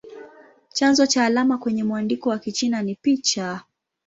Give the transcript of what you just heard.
Chanzo cha alama kwenye mwandiko wa Kichina ni picha.